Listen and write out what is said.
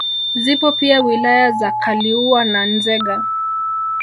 Zipo pia wilaya za Kaliua na Nzega